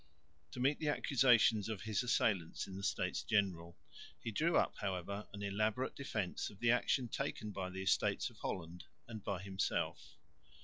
To meet the accusations of his assailants in the States General he drew up however an elaborate defence of the action taken by the Estates of Holland and by himself.